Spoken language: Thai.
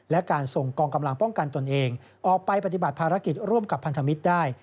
และการส่งกองกำลังป้องกันตนเองออกไปปฏิบัติภารกิจร่วมกับพันธมิตรได้